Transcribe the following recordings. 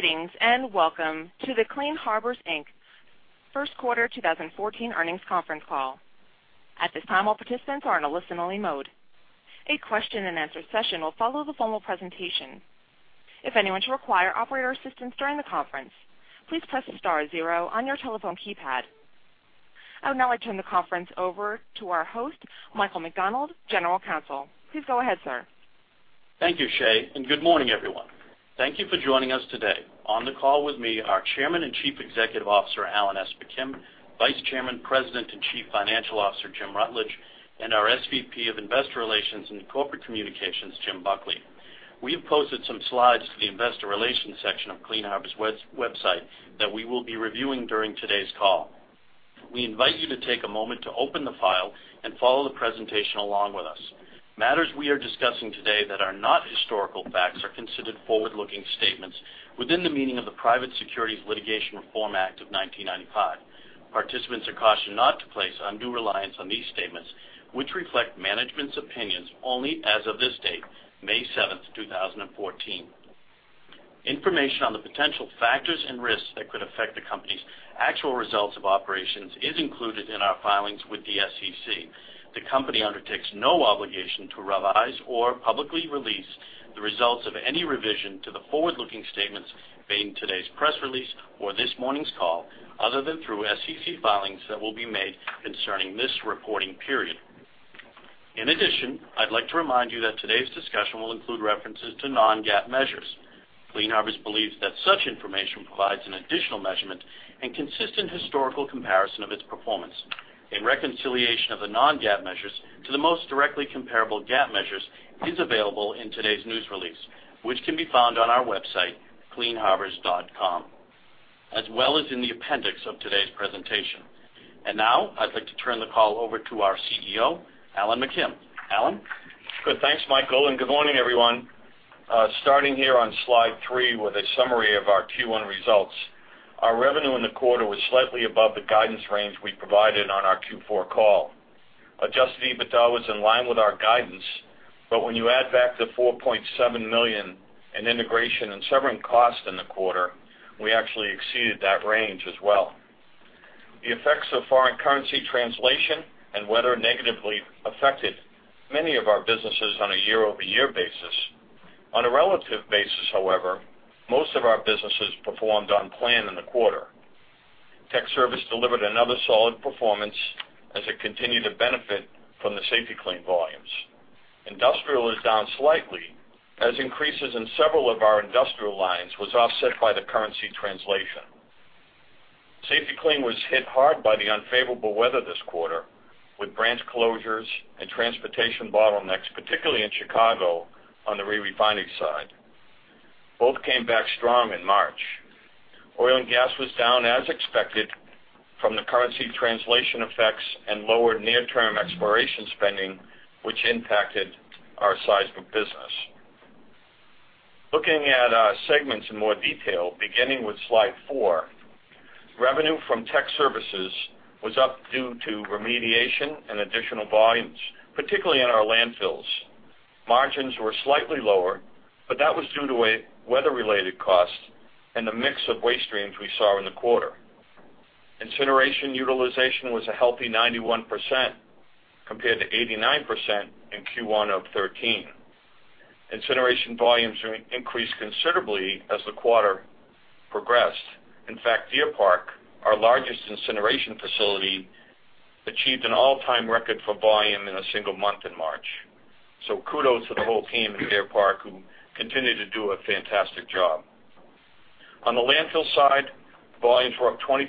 Greetings, and welcome to the Clean Harbors, Inc First Quarter 2014 Earnings Conference Call. At this time, all participants are in a listen-only mode. A question-and-answer session will follow the formal presentation. If anyone should require operator assistance during the conference, please press star zero on your telephone keypad. I would now like to turn the conference over to our host, Michael McDonald, General Counsel. Please go ahead, sir. Thank you, Shea, and good morning, everyone. Thank you for joining us today. On the call with me are Chairman and Chief Executive Officer, Alan S. McKim, Vice Chairman, President and Chief Financial Officer, Jim Rutledge, and our SVP of Investor Relations and Corporate Communications, Jim Buckley. We have posted some slides to the investor relations section of Clean Harbors website that we will be reviewing during today's call. We invite you to take a moment to open the file and follow the presentation along with us. Matters we are discussing today that are not historical facts are considered forward-looking statements within the meaning of the Private Securities Litigation Reform Act of 1995. Participants are cautioned not to place undue reliance on these statements, which reflect management's opinions only as of this date, May 7th, 2014. Information on the potential factors and risks that could affect the company's actual results of operations is included in our filings with the SEC. The company undertakes no obligation to revise or publicly release the results of any revision to the forward-looking statements made in today's press release or this morning's call, other than through SEC filings that will be made concerning this reporting period. In addition, I'd like to remind you that today's discussion will include references to non-GAAP measures. Clean Harbors believes that such information provides an additional measurement and consistent historical comparison of its performance. A reconciliation of the non-GAAP measures to the most directly comparable GAAP measures is available in today's news release, which can be found on our website, cleanharbors.com, as well as in the appendix of today's presentation. And now, I'd like to turn the call over to our CEO, Alan McKim. Alan? Good. Thanks, Michael, and good morning, everyone. Starting here on slide three with a summary of our Q1 results. Our revenue in the quarter was slightly above the guidance range we provided on our Q4 call. Adjusted EBITDA was in line with our guidance, but when you add back the $4.7 million in integration and severance costs in the quarter, we actually exceeded that range as well. The effects of foreign currency translation and weather negatively affected many of our businesses on a year-over-year basis. On a relative basis, however, most of our businesses performed on plan in the quarter. Tech Services delivered another solid performance as it continued to benefit from the Safety-Kleen volumes. Industrial is down slightly, as increases in several of our industrial lines was offset by the currency translation. Safety-Kleen was hit hard by the unfavorable weather this quarter, with branch closures and transportation bottlenecks, particularly in Chicago, on the re-refining side. Both came back strong in March. Oil and gas was down as expected from the currency translation effects and lower near-term exploration spending, which impacted our seismic business. Looking at our segments in more detail, beginning with slide four, revenue from tech services was up due to remediation and additional volumes, particularly in our landfills. Margins were slightly lower, but that was due to weather-related costs and the mix of waste streams we saw in the quarter. Incineration utilization was a healthy 91%, compared to 89% in Q1 of 2013. Incineration volumes increased considerably as the quarter progressed. In fact, Deer Park, our largest incineration facility, achieved an all-time record for volume in a single month in March. So kudos to the whole team at Deer Park, who continue to do a fantastic job. On the landfill side, volumes were up 25%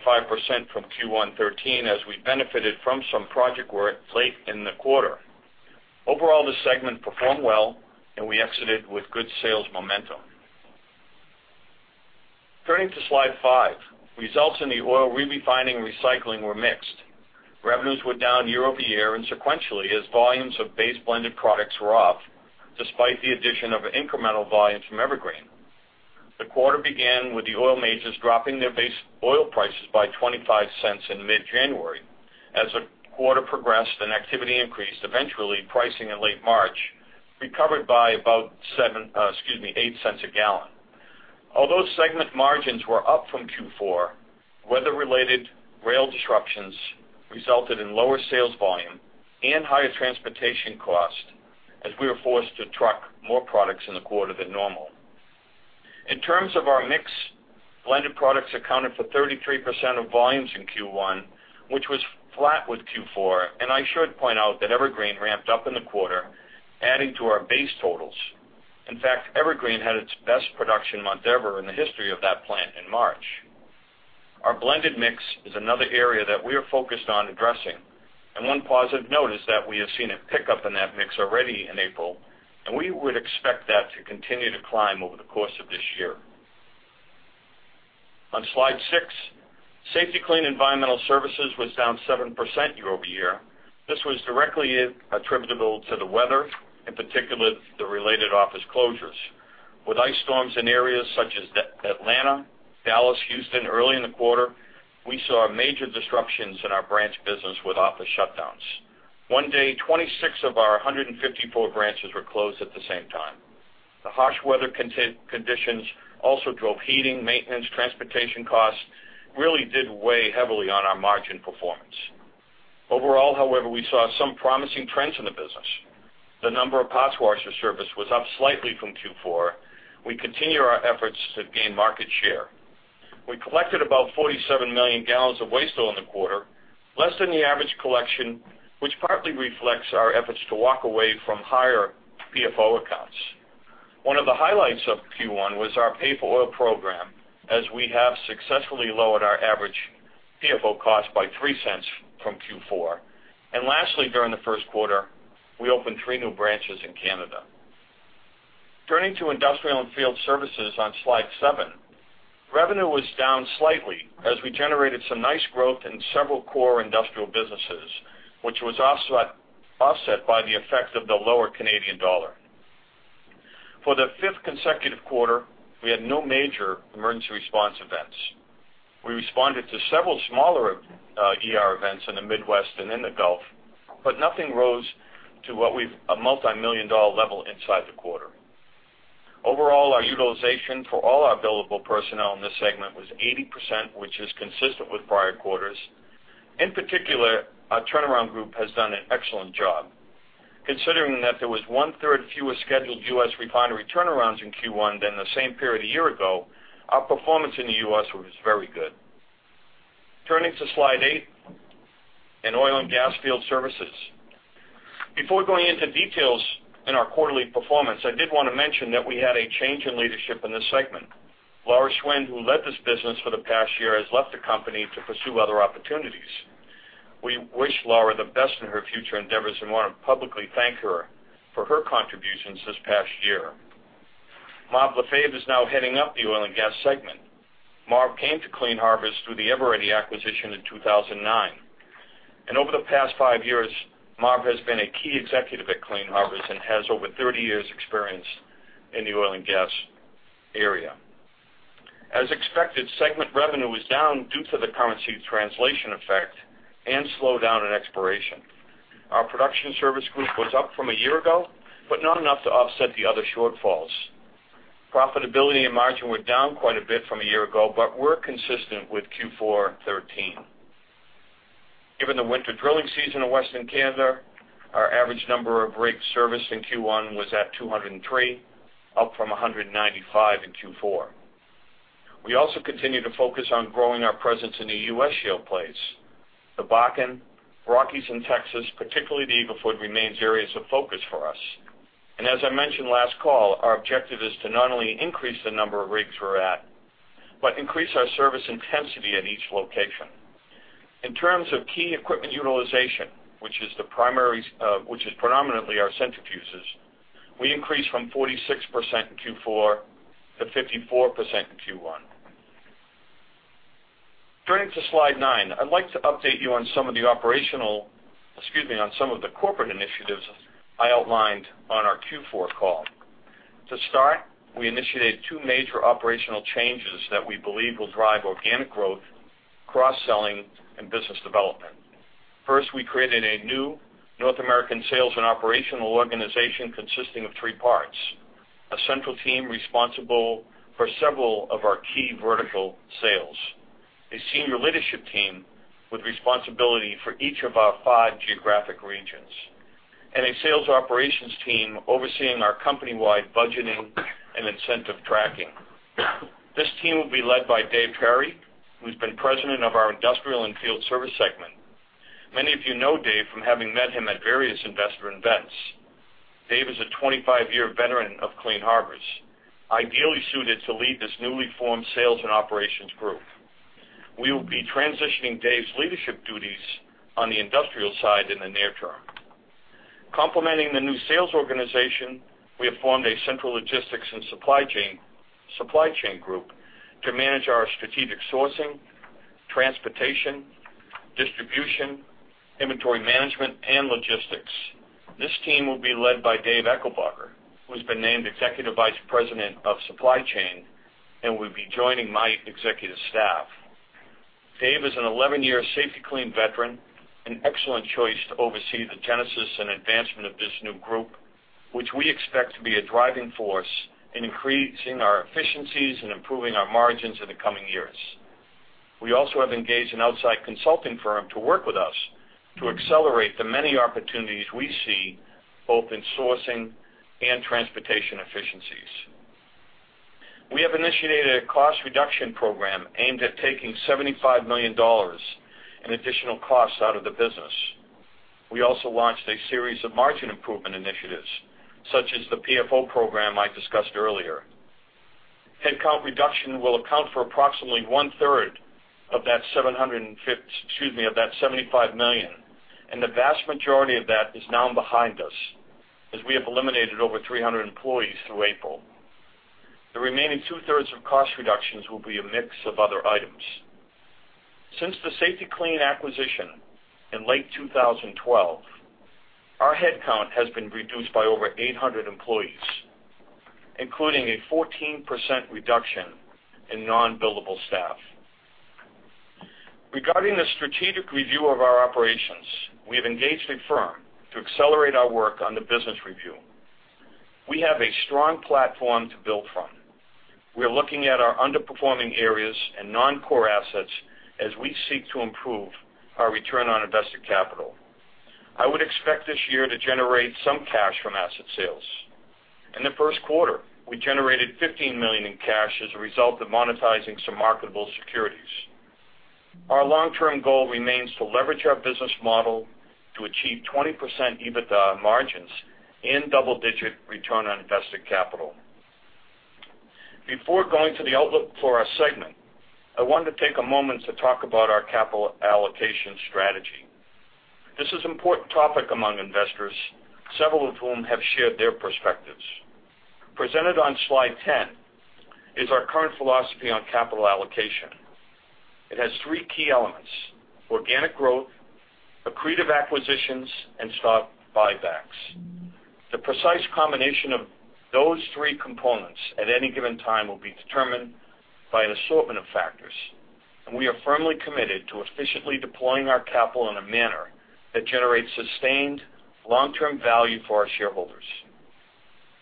from Q1 2013 as we benefited from some project work late in the quarter. Overall, the segment performed well, and we exited with good sales momentum. Turning to slide five, results in the Oil Re-refining and Recycling were mixed. Revenues were down year-over-year and sequentially, as volumes of base blended products were off, despite the addition of incremental volumes from Evergreen. The quarter began with the oil majors dropping their base oil prices by $0.25 in mid-January. As the quarter progressed and activity increased, eventually, pricing in late March recovered by about seven, excuse me, eight cents a gallon. Although segment margins were up from Q4, weather-related rail disruptions resulted in lower sales volume and higher transportation costs as we were forced to truck more products in the quarter than normal. In terms of our mix, blended products accounted for 33% of volumes in Q1, which was flat with Q4, and I should point out that Evergreen ramped up in the quarter, adding to our base totals. In fact, Evergreen had its best production month ever in the history of that plant in March. Our blended mix is another area that we are focused on addressing, and one positive note is that we have seen a pickup in that mix already in April, and we would expect that to continue to climb over the course of this year. On slide six, Safety-Kleen Environmental Services was down 7% year-over-year. This was directly attributable to the weather, in particular, the related office closures. With ice storms in areas such as Atlanta, Dallas, Houston early in the quarter, we saw major disruptions in our branch business with office shutdowns. One day, 26 of our 154 branches were closed at the same time. The harsh weather conditions also drove heating, maintenance, transportation costs, really did weigh heavily on our margin performance. Overall, however, we saw some promising trends in the business. The number of parts washer service was up slightly from Q4. We continue our efforts to gain market share. We collected about 47 million gallons of waste oil in the quarter, less than the average collection, which partly reflects our efforts to walk away from higher PFO accounts. One of the highlights of Q1 was our Pay for Oil program, as we have successfully lowered our average PFO cost by $0.03 from Q4. Lastly, during the first quarter, we opened three new branches in Canada. Turning to Industrial and Field Services on slide seven, revenue was down slightly as we generated some nice growth in several core industrial businesses, which was also offset by the effect of the lower Canadian dollar. For the fifth consecutive quarter, we had no major emergency response events. We responded to several smaller, ER events in the Midwest and in the Gulf, but nothing rose to what we've a multimillion-dollar level inside the quarter. Overall, our utilization for all our billable personnel in this segment was 80%, which is consistent with prior quarters. In particular, our turnaround group has done an excellent job. Considering that there was one-third fewer scheduled U.S. refinery turnarounds in Q1 than the same period a year ago, our performance in the U.S. was very good. Turning to slide eight, in Oil and Gas Field Services. Before going into details in our quarterly performance, I did wanna mention that we had a change in leadership in this segment. Laura Schwind, who led this business for the past year, has left the company to pursue other opportunities. We wish Laura the best in her future endeavors and wanna publicly thank her for her contributions this past year. Marv Lefebvre is now heading up the Oil and Gas segment. Marv came to Clean Harbors through the Eveready acquisition in 2009. Over the past five years, Marv has been a key executive at Clean Harbors and has over 30 years experience in the Oil and Gas area. As expected, segment revenue was down due to the currency translation effect and slowdown in exploration. Our production service group was up from a year ago, but not enough to offset the other shortfalls. Profitability and margin were down quite a bit from a year ago, but we're consistent with Q4 2013. Given the winter drilling season in Western Canada, our average number of rigs serviced in Q1 was at 203, up from 195 in Q4. We also continue to focus on growing our presence in the U.S. shale plays. The Bakken, Rockies, and Texas, particularly the Eagle Ford, remains areas of focus for us. And as I mentioned last call, our objective is to not only increase the number of rigs we're at, but increase our service intensity at each location. In terms of key equipment utilization, which is the primary, which is predominantly our centrifuges, we increased from 46% in Q4 to 54% in Q1. Turning to slide nine, I'd like to update you on some of the operational, excuse me, on some of the corporate initiatives I outlined on our Q4 call. To start, we initiated two major operational changes that we believe will drive organic growth, cross-selling, and business development. First, we created a new North American sales and operational organization consisting of three parts: a central team responsible for several of our key vertical sales, a senior leadership team with responsibility for each of our five geographic regions, and a sales operations team overseeing our company-wide budgeting and incentive tracking. This team will be led by Dave Parry, who's been President of our Industrial and Field Service segment. Many of you know Dave from having met him at various investor events. Dave is a 25-year veteran of Clean Harbors, ideally suited to lead this newly formed sales and operations group. We will be transitioning Dave's leadership duties on the industrial side in the near term. Complementing the new sales organization, we have formed a central logistics and supply chain group to manage our strategic sourcing, transportation, distribution, inventory management, and logistics. This team will be led by Dave Eckelbarger, who's been named Executive Vice President of Supply Chain and will be joining my executive staff. Dave is an 11-year Safety-Kleen veteran, an excellent choice to oversee the genesis and advancement of this new group, which we expect to be a driving force in increasing our efficiencies and improving our margins in the coming years. We also have engaged an outside consulting firm to work with us to accelerate the many opportunities we see, both in sourcing and transportation efficiencies. We have initiated a cost reduction program aimed at taking $75 million in additional costs out of the business. We also launched a series of margin improvement initiatives, such as the PFO program I discussed earlier. Headcount reduction will account for approximately one-third of that $75 million, excuse me, and the vast majority of that is now behind us, as we have eliminated over 300 employees through April. The remaining two-thirds of cost reductions will be a mix of other items. Since the Safety-Kleen acquisition in late 2012, our headcount has been reduced by over 800 employees, including a 14% reduction in non-billable staff. Regarding the strategic review of our operations, we have engaged a firm to accelerate our work on the business review. We have a strong platform to build from. We are looking at our underperforming areas and non-core assets as we seek to improve our return on invested capital. I would expect this year to generate some cash from asset sales. In the first quarter, we generated $15 million in cash as a result of monetizing some marketable securities. Our long-term goal remains to leverage our business model to achieve 20% EBITDA margins and double-digit return on invested capital. Before going to the outlook for our segment, I wanted to take a moment to talk about our capital allocation strategy. This is an important topic among investors, several of whom have shared their perspectives. Presented on slide 10 is our current philosophy on capital allocation. It has three key elements: organic growth, accretive acquisitions, and stock buybacks. The precise combination of those three components at any given time will be determined by an assortment of factors, and we are firmly committed to efficiently deploying our capital in a manner that generates sustained long-term value for our shareholders.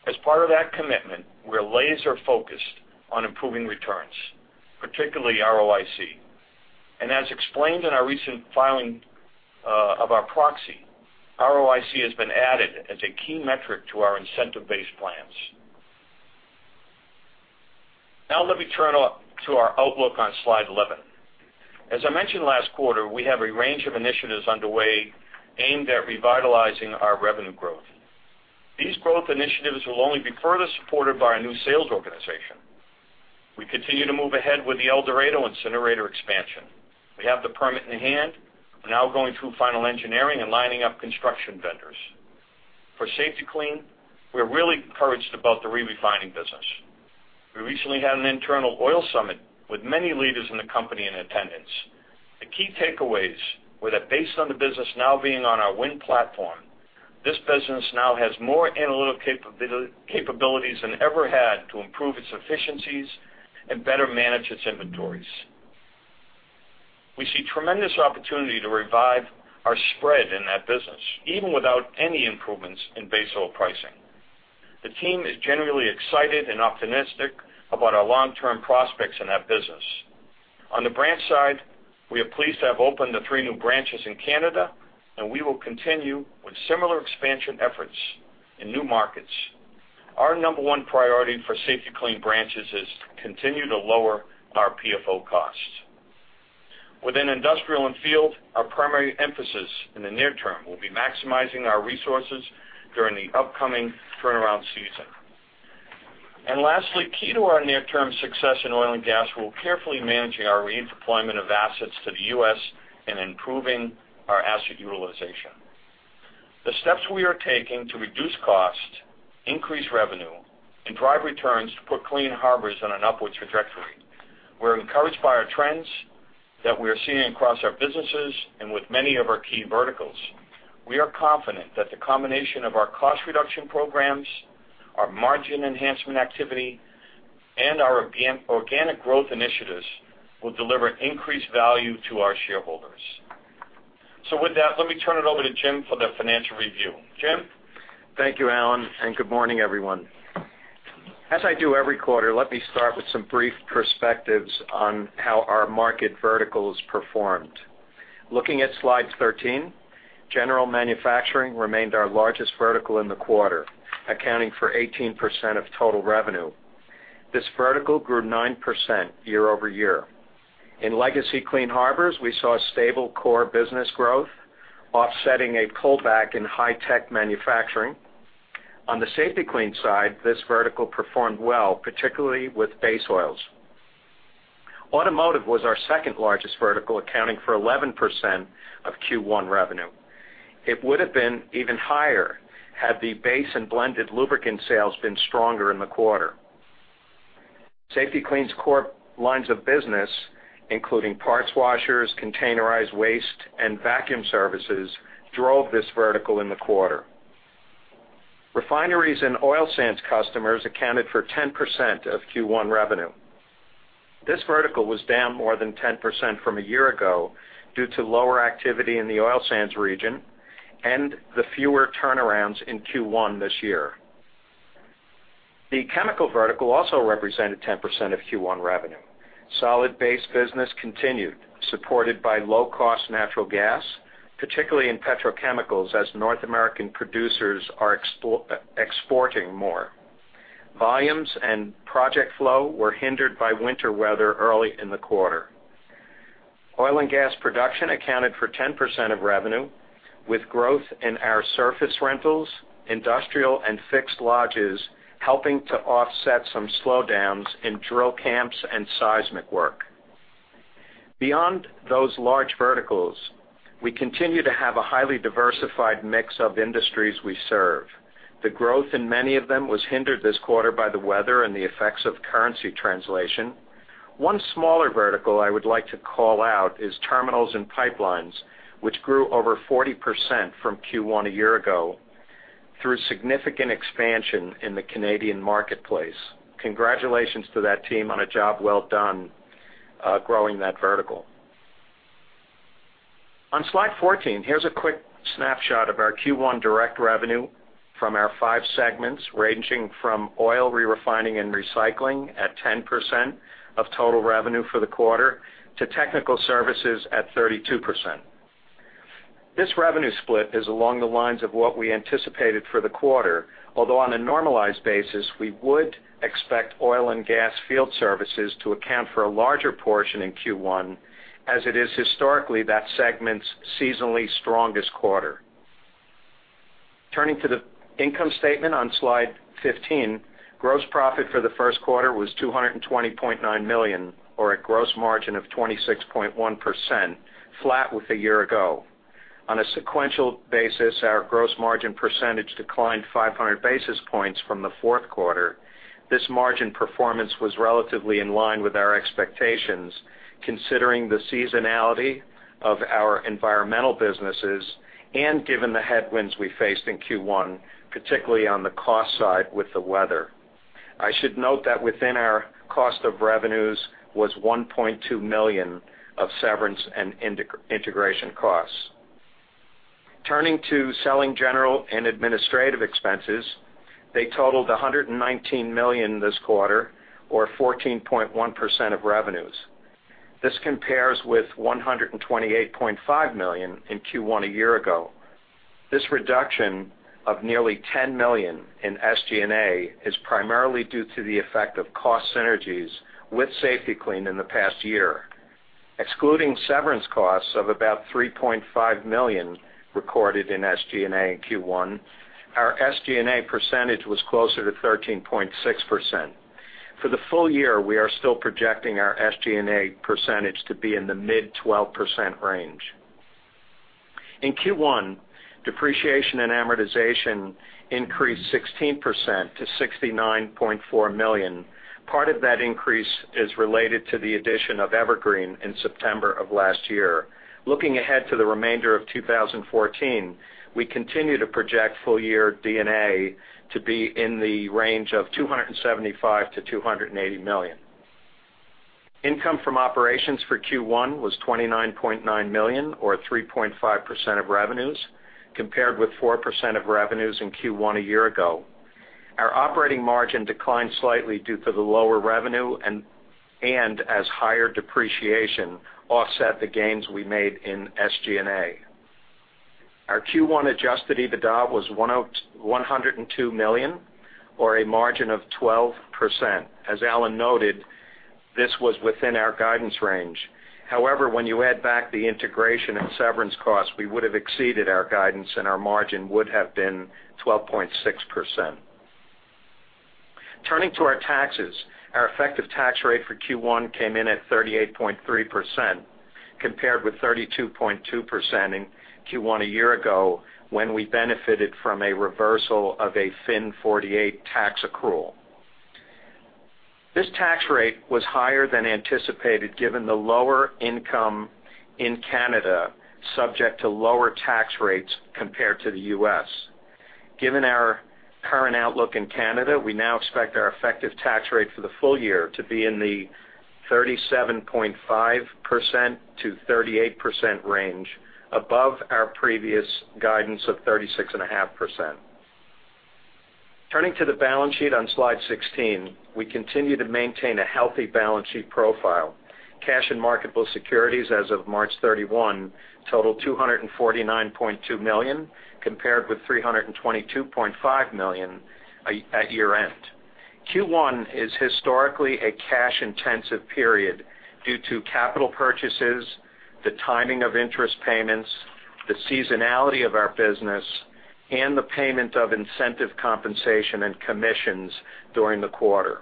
As part of that commitment, we're laser focused on improving returns, particularly ROIC. As explained in our recent filing, of our proxy, ROIC has been added as a key metric to our incentive-based plans. Now let me turn to our outlook on slide 11. As I mentioned last quarter, we have a range of initiatives underway aimed at revitalizing our revenue growth. These growth initiatives will only be further supported by our new sales organization. We continue to move ahead with the El Dorado incinerator expansion. We have the permit in hand. We're now going through final engineering and lining up construction vendors. For Safety-Kleen, we're really encouraged about the re-refining business. We recently had an internal oil summit with many leaders in the company in attendance. The key takeaways were that based on the business now being on our WIN platform, this business now has more analytic capabilities than ever had to improve its efficiencies and better manage its inventories. We see tremendous opportunity to revive our spread in that business, even without any improvements in base oil pricing. The team is generally excited and optimistic about our long-term prospects in that business. On the branch side, we are pleased to have opened the three new branches in Canada, and we will continue with similar expansion efforts in new markets. Our number one priority for Safety-Kleen branches is to continue to lower our PFO costs. Within industrial and field, our primary emphasis in the near term will be maximizing our resources during the upcoming turnaround season. Lastly, key to our near-term success in Oil and Gas, we're carefully managing our redeployment of assets to the U.S. and improving our asset utilization. The steps we are taking to reduce cost, increase revenue, and drive returns to put Clean Harbors on an upward trajectory. We're encouraged by our trends that we are seeing across our businesses and with many of our key verticals. We are confident that the combination of our cost reduction programs, our margin enhancement activity, and our organic growth initiatives will deliver increased value to our shareholders. So with that, let me turn it over to Jim for the financial review. Jim? Thank you, Alan, and good morning, everyone. As I do every quarter, let me start with some brief perspectives on how our market verticals performed. Looking at slide 13, general manufacturing remained our largest vertical in the quarter, accounting for 18% of total revenue. This vertical grew 9% year-over-year. In legacy Clean Harbors, we saw stable core business growth, offsetting a pullback in high-tech manufacturing. On the Safety-Kleen side, this vertical performed well, particularly with base oils. Automotive was our second largest vertical, accounting for 11% of Q1 revenue. It would have been even higher had the base and blended lubricant sales been stronger in the quarter. Safety-Kleen's core lines of business, including parts washers, containerized waste, and vacuum services, drove this vertical in the quarter. Refineries and oil sands customers accounted for 10% of Q1 revenue. This vertical was down more than 10% from a year ago due to lower activity in the oil sands region and the fewer turnarounds in Q1 this year. The chemical vertical also represented 10% of Q1 revenue. Solid base business continued, supported by low-cost natural gas, particularly in petrochemicals, as North American producers are exporting more. Volumes and project flow were hindered by winter weather early in the quarter. Oil and gas production accounted for 10% of revenue, with growth in our surface rentals, industrial and fixed lodges, helping to offset some slowdowns in drill camps and seismic work. Beyond those large verticals... We continue to have a highly diversified mix of industries we serve. The growth in many of them was hindered this quarter by the weather and the effects of currency translation. One smaller vertical I would like to call out is terminals and pipelines, which grew over 40% from Q1 a year ago, through significant expansion in the Canadian marketplace. Congratulations to that team on a job well done, growing that vertical. On slide 14, here's a quick snapshot of our Q1 direct revenue from our five segments, ranging from Oil Re-refining and Recycling at 10% of total revenue for the quarter, to Technical Services at 32%. This revenue split is along the lines of what we anticipated for the quarter, although on a normalized basis, we would expect Oil and Gas Field Services to account for a larger portion in Q1, as it is historically, that segment's seasonally strongest quarter. Turning to the income statement on slide 15, gross profit for the first quarter was $220.9 million, or a gross margin of 26.1%, flat with a year ago. On a sequential basis, our gross margin percentage declined 500 basis points from the fourth quarter. This margin performance was relatively in line with our expectations, considering the seasonality of our environmental businesses, and given the headwinds we faced in Q1, particularly on the cost side with the weather. I should note that within our cost of revenues was $1.2 million of severance and integration costs. Turning to selling, general, and administrative expenses, they totaled $119 million this quarter, or 14.1% of revenues. This compares with $128.5 million in Q1 a year ago. This reduction of nearly $10 million in SG&A is primarily due to the effect of cost synergies with Safety-Kleen in the past year. Excluding severance costs of about $3.5 million recorded in SG&A in Q1, our SG&A percentage was closer to 13.6%. For the full year, we are still projecting our SG&A percentage to be in the mid-12% range. In Q1, depreciation and amortization increased 16% to $69.4 million. Part of that increase is related to the addition of Evergreen in September of last year. Looking ahead to the remainder of 2014, we continue to project full-year D&A to be in the range of $275 million-$280 million. Income from operations for Q1 was $29.9 million, or 3.5% of revenues, compared with 4% of revenues in Q1 a year ago. Our operating margin declined slightly due to the lower revenue and as higher depreciation offset the gains we made in SG&A. Our Q1 adjusted EBITDA was $102 million, or a margin of 12%. As Alan noted, this was within our guidance range. However, when you add back the integration and severance costs, we would have exceeded our guidance, and our margin would have been 12.6%. Turning to our taxes, our effective tax rate for Q1 came in at 38.3%, compared with 32.2% in Q1 a year ago, when we benefited from a reversal of a FIN 48 tax accrual. This tax rate was higher than anticipated, given the lower income in Canada, subject to lower tax rates compared to the U.S. Given our current outlook in Canada, we now expect our effective tax rate for the full year to be in the 37.5%-38% range, above our previous guidance of 36.5%. Turning to the balance sheet on slide 16, we continue to maintain a healthy balance sheet profile. Cash and marketable securities as of March 31 totaled $249.2 million, compared with $322.5 million at year-end. Q1 is historically a cash-intensive period due to capital purchases, the timing of interest payments, the seasonality of our business, and the payment of incentive compensation and commissions during the quarter.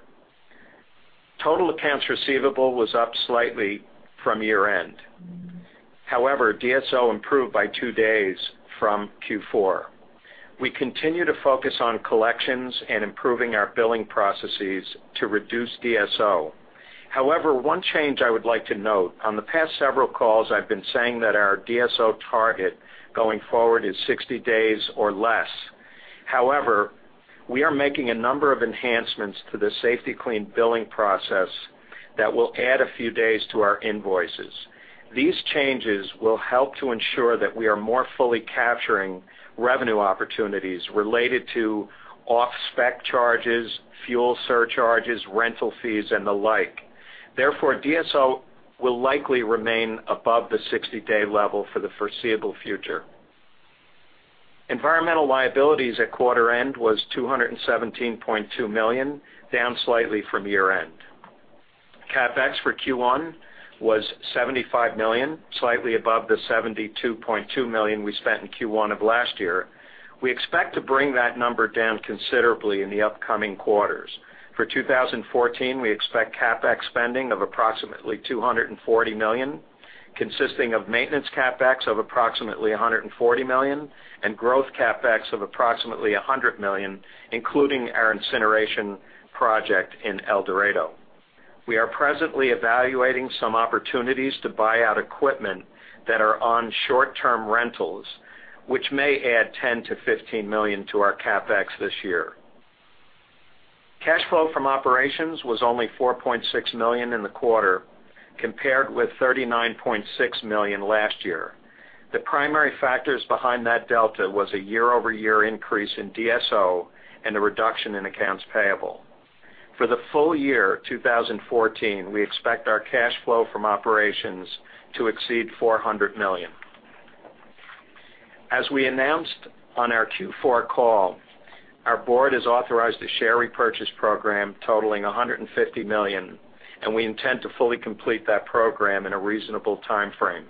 Total accounts receivable was up slightly from year-end. However, DSO improved by two days from Q4. We continue to focus on collections and improving our billing processes to reduce DSO. However, one change I would like to note: on the past several calls, I've been saying that our DSO target going forward is 60 days or less. However, we are making a number of enhancements to the Safety-Kleen billing process that will add a few days to our invoices. These changes will help to ensure that we are more fully capturing revenue opportunities related to off-spec charges, fuel surcharges, rental fees, and the like. Therefore, DSO will likely remain above the 60-day level for the foreseeable future. Environmental liabilities at quarter end was $217.2 million, down slightly from year-end. CapEx for Q1 was $75 million, slightly above the $72.2 million we spent in Q1 of last year. We expect to bring that number down considerably in the upcoming quarters. For 2014, we expect CapEx spending of approximately $240 million, consisting of maintenance CapEx of approximately $140 million, and growth CapEx of approximately $100 million, including our incineration project in El Dorado. We are presently evaluating some opportunities to buy out equipment that are on short-term rentals, which may add $10 million-$15 million to our CapEx this year. Cash flow from operations was only $4.6 million in the quarter, compared with $39.6 million last year. The primary factors behind that delta was a year-over-year increase in DSO and a reduction in accounts payable. For the full year 2014, we expect our cash flow from operations to exceed $400 million. As we announced on our Q4 call, our board has authorized a share repurchase program totaling $150 million, and we intend to fully complete that program in a reasonable time frame.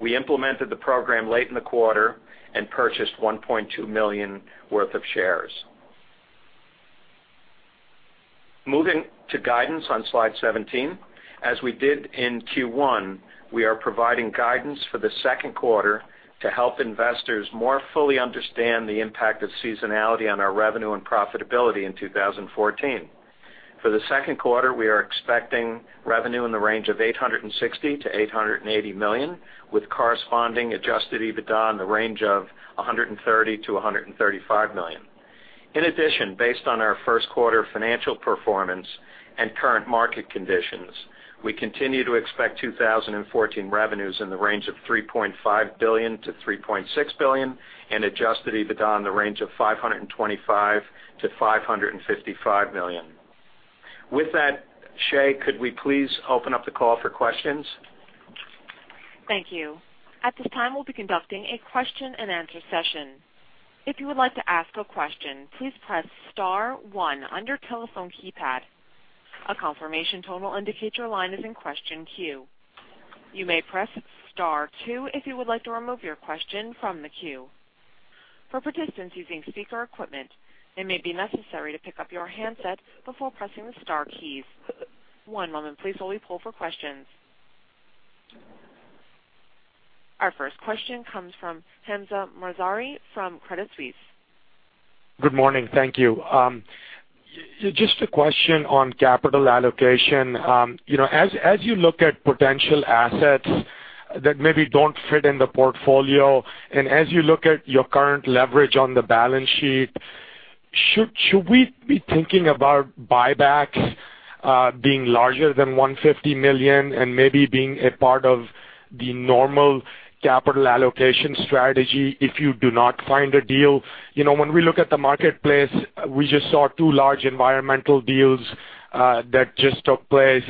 We implemented the program late in the quarter and purchased $1.2 million worth of shares. Moving to guidance on slide 17. As we did in Q1, we are providing guidance for the second quarter to help investors more fully understand the impact of seasonality on our revenue and profitability in 2014. For the second quarter, we are expecting revenue in the range of $860 million-$880 million, with corresponding adjusted EBITDA in the range of $130 million-$135 million. In addition, based on our first quarter financial performance and current market conditions, we continue to expect 2014 revenues in the range of $3.5 billion-$3.6 billion and adjusted EBITDA in the range of $525 million-$555 million. With that, Shea, could we please open up the call for questions? Thank you. At this time, we'll be conducting a question-and-answer session. If you would like to ask a question, please press star one on your telephone keypad. A confirmation tone will indicate your line is in question queue. You may press star two if you would like to remove your question from the queue. For participants using speaker equipment, it may be necessary to pick up your handset before pressing the star keys. One moment, please, while we pull for questions. Our first question comes from Hamzah Mazari from Credit Suisse. Good morning. Thank you. Just a question on capital allocation. You know, as, as you look at potential assets that maybe don't fit in the portfolio, and as you look at your current leverage on the balance sheet, should, should we be thinking about buybacks, being larger than $150 million and maybe being a part of the normal capital allocation strategy if you do not find a deal? You know, when we look at the marketplace, we just saw two large environmental deals that just took place.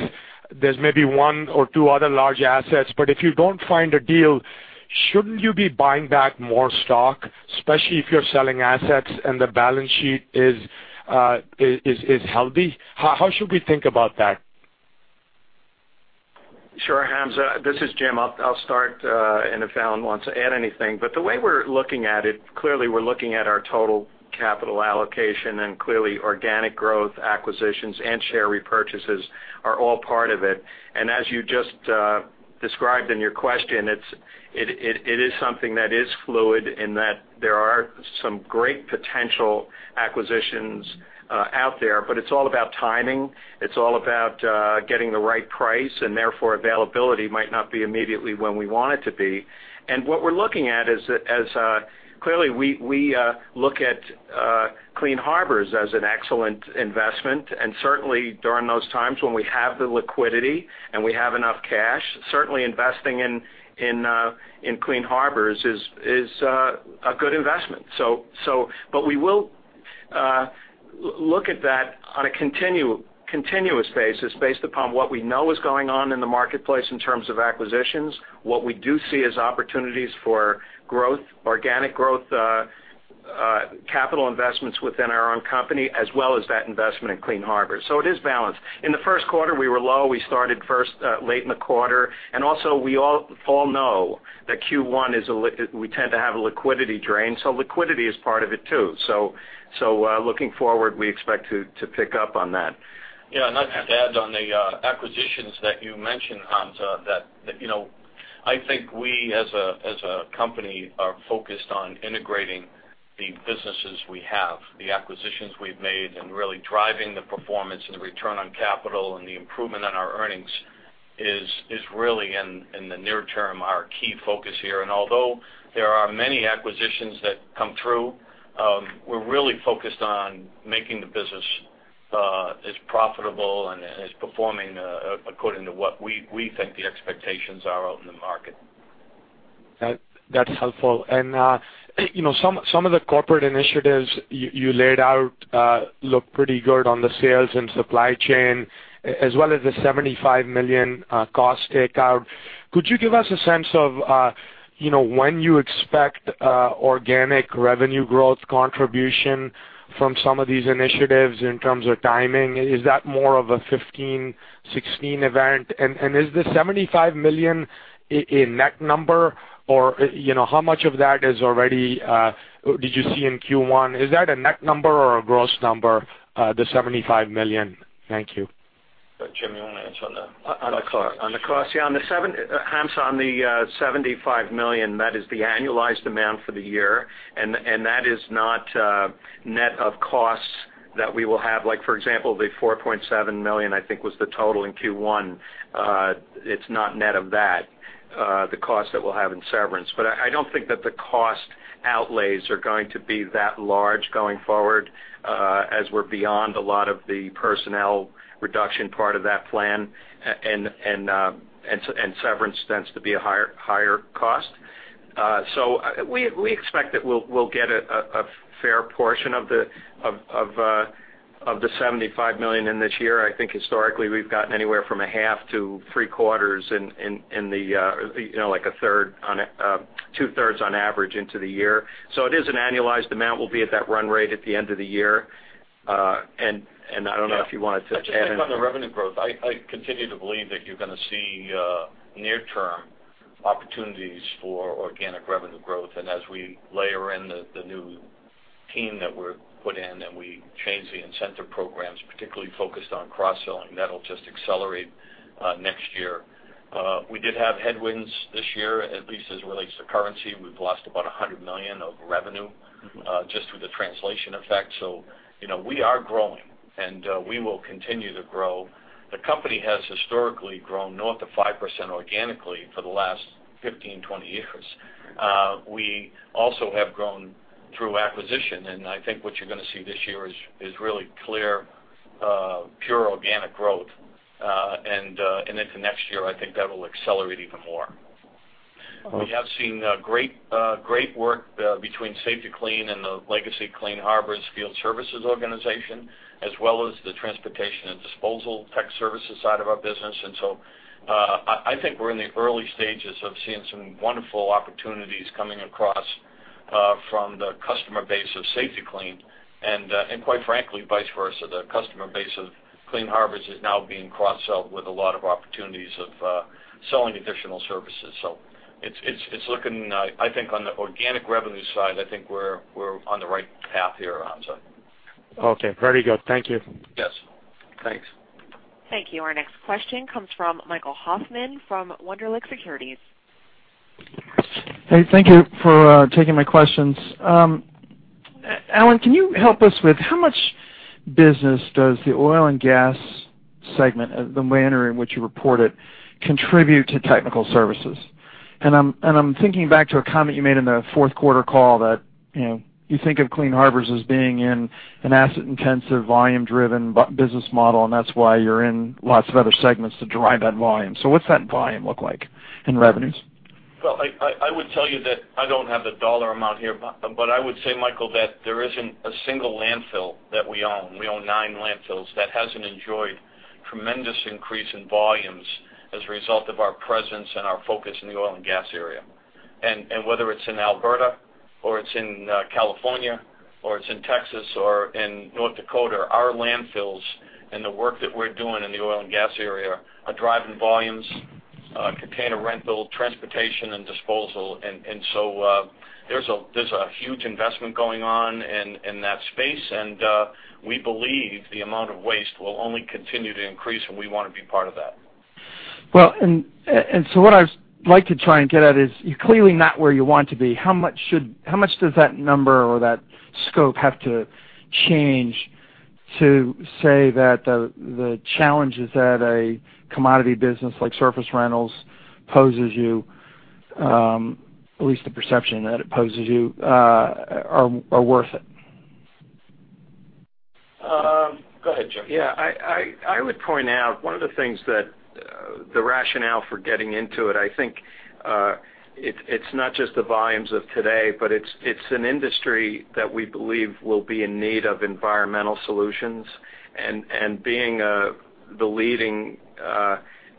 There's maybe one or two other large assets, but if you don't find a deal, shouldn't you be buying back more stock, especially if you're selling assets and the balance sheet is, is, is healthy? How, how should we think about that? Sure, Hamza. This is Jim. I'll start, and if Alan wants to add anything. But the way we're looking at it, clearly, we're looking at our total capital allocation, and clearly, organic growth, acquisitions, and share repurchases are all part of it. And as you just described in your question, it's something that is fluid in that there are some great potential acquisitions out there, but it's all about timing. It's all about getting the right price, and therefore, availability might not be immediately when we want it to be. And what we're looking at is, clearly, we look at Clean Harbors as an excellent investment, and certainly during those times when we have the liquidity and we have enough cash, certainly investing in Clean Harbors is a good investment. So, but we will look at that on a continuous basis based upon what we know is going on in the marketplace in terms of acquisitions, what we do see as opportunities for growth, organic growth, capital investments within our own company, as well as that investment in Clean Harbors. So it is balanced. In the first quarter, we were low. We started first late in the quarter, and also we all know that Q1 is, we tend to have a liquidity drain, so liquidity is part of it, too. So, looking forward, we expect to pick up on that. Yeah, and I'd just add on the acquisitions that you mentioned, Hamzah, that you know, I think we, as a company, are focused on integrating the businesses we have, the acquisitions we've made, and really driving the performance and the return on capital and the improvement in our earnings is really in the near term our key focus here. And although there are many acquisitions that come through, we're really focused on making the business as profitable and as performing according to what we think the expectations are out in the market. That, that's helpful. And, you know, some, some of the corporate initiatives you, you laid out, look pretty good on the sales and supply chain, as well as the $75 million cost takeout. Could you give us a sense of, you know, when you expect organic revenue growth contribution from some of these initiatives in terms of timing? Is that more of a 2015, 2016 event? And, and is the $75 million a, a net number? Or, you know, how much of that is already, did you see in Q1? Is that a net number or a gross number, the $75 million? Thank you. ... But Jim, you want to answer on the... On the cost, on the cost? Yeah, on the $75 million, that is the annualized amount for the year, and, and that is not net of costs that we will have. Like, for example, the $4.7 million, I think, was the total in Q1. It's not net of that, the cost that we'll have in severance. But I, I don't think that the cost outlays are going to be that large going forward, as we're beyond a lot of the personnel reduction part of that plan, and, and, and severance tends to be a higher, higher cost. So, we, we expect that we'll, we'll get a, a, a fair portion of the, of, of, of the $75 million in this year. I think historically, we've gotten anywhere from a half to three quarters in the, you know, like a third on, two-thirds on average into the year. So it is an annualized amount. We'll be at that run rate at the end of the year. And I don't know if you wanted to add- I'll just add on the revenue growth. I continue to believe that you're going to see, near-term opportunities for organic revenue growth. And as we layer in the new team that we're put in, and we change the incentive programs, particularly focused on cross-selling, that'll just accelerate, next year. We did have headwinds this year, at least as it relates to currency. We've lost about $100 million of revenue- Mm-hmm. Just through the translation effect. So, you know, we are growing, and we will continue to grow. The company has historically grown north of 5% organically for the last 15, 20 years. We also have grown through acquisition, and I think what you're going to see this year is really clear pure organic growth. And into next year, I think that will accelerate even more. We have seen great, great work between Safety-Kleen and the legacy Clean Harbors Field Services organization, as well as the transportation and disposal tech services side of our business. And so, I think we're in the early stages of seeing some wonderful opportunities coming across from the customer base of Safety-Kleen, and quite frankly, vice versa. The customer base of Clean Harbors is now being cross-sold with a lot of opportunities of selling additional services. So it's, it's, it's looking, I think on the organic revenue side, I think we're, we're on the right path here, Hamzah. Okay, very good. Thank you. Yes. Thanks. Thank you. Our next question comes from Michael Hoffman from Wunderlich Securities. Hey, thank you for taking my questions. Alan, can you help us with how much business does the Oil and Gas segment, the manner in which you report it, contribute to Technical Services? And I'm thinking back to a comment you made in the fourth quarter call that, you know, you think of Clean Harbors as being in an asset-intensive, volume-driven business model, and that's why you're in lots of other segments to drive that volume. So what's that volume look like in revenues? Well, I would tell you that I don't have the dollar amount here, but I would say, Michael, that there isn't a single landfill that we own, we own nine landfills, that hasn't enjoyed tremendous increase in volumes as a result of our presence and our focus in the Oil and Gas area. And whether it's in Alberta, or it's in California, or it's in Texas, or in North Dakota, our landfills and the work that we're doing in the Oil and Gas area are driving volumes, container rental, transportation, and disposal. And so, there's a huge investment going on in that space, and we believe the amount of waste will only continue to increase, and we want to be part of that. Well, and so what I'd like to try and get at is, you're clearly not where you want to be. How much should - how much does that number or that scope have to change to say that the challenges that a commodity business like surface rentals poses you, at least the perception that it poses you, are worth it? Go ahead, Jim. Yeah, I would point out one of the things that, the rationale for getting into it, I think, it's not just the volumes of today, but it's an industry that we believe will be in need of environmental solutions. And, being the leading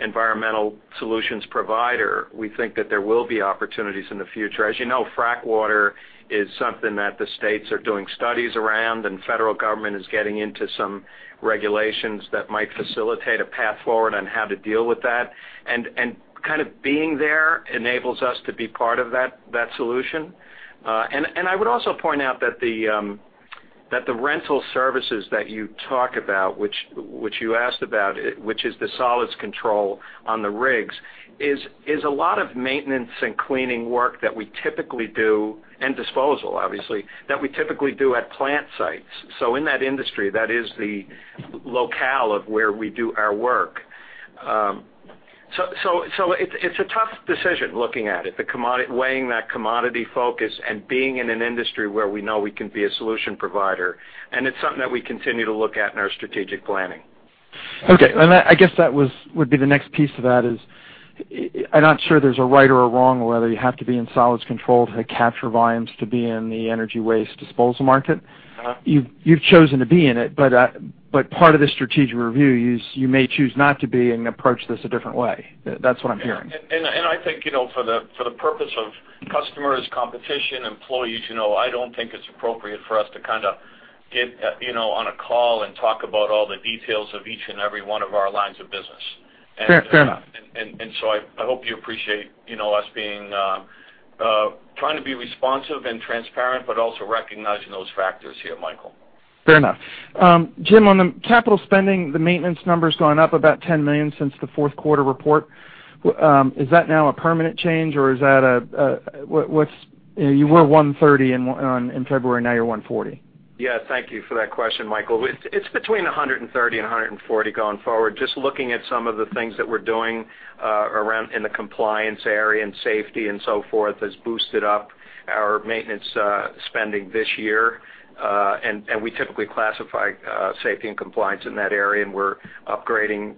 environmental solutions provider, we think that there will be opportunities in the future. As you know, frack water is something that the states are doing studies around, and federal government is getting into some regulations that might facilitate a path forward on how to deal with that. And, kind of being there enables us to be part of that solution. I would also point out that the rental services that you talk about, which you asked about, which is the solids control on the rigs, is a lot of maintenance and cleaning work that we typically do, and disposal, obviously, that we typically do at plant sites. So in that industry, that is the locale of where we do our work. So it's a tough decision looking at it, weighing that commodity focus and being in an industry where we know we can be a solution provider, and it's something that we continue to look at in our strategic planning. Okay, and I guess that would be the next piece to that. I'm not sure there's a right or a wrong whether you have to be in solids control to capture volumes to be in the energy waste disposal market. Uh-huh. You've, you've chosen to be in it, but, but part of the strategic review is you may choose not to be and approach this a different way. That's what I'm hearing. Yeah. And I think, you know, for the purpose of customers, competition, employees, you know, I don't think it's appropriate for us to kind of get, you know, on a call and talk about all the details of each and every one of our lines of business. Fair, fair enough.... and so I hope you appreciate, you know, us being trying to be responsive and transparent, but also recognizing those factors here, Michael. Fair enough. Jim, on the capital spending, the maintenance number's gone up about $10 million since the fourth quarter report. Is that now a permanent change, or is that a, what’s... You were $130 in February, now you're $140. Yeah, thank you for that question, Michael. It's between $130 and $140 going forward. Just looking at some of the things that we're doing around in the compliance area and safety and so forth has boosted up our maintenance spending this year. And we typically classify safety and compliance in that area, and we're upgrading